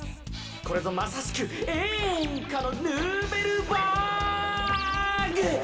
これぞまさしくえんかのヌーベルバーグ！